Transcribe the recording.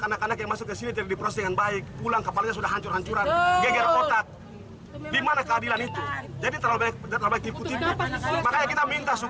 hanya karena kanya yang masuk ke sini tidak diproses dengan baik pulang kepalanya sudah hancur hancuran geger otak